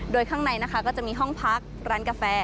โดยข้างในนะคะก็จะมีห้องพักร้านกาแฟ